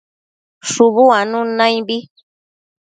Shubu uanun naimbi